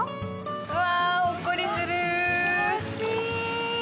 うわー、ほっこりする。